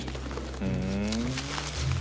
ふん。